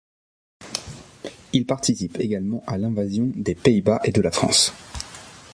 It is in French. Il participe également à l'invasion des Pays-Bas et de la France.